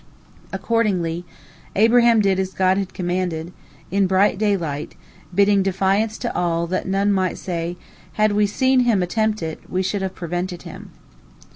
" Accordingly, Abraham did as God had commanded, in bright daylight, bidding defiance to all, that none might say, "Had we seen him attempt it, we should have prevented him."